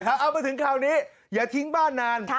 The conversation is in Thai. เอามาถึงคราวนี้อย่าทิ้งบ้านนาน